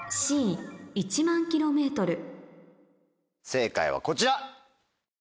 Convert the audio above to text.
正解はこちら！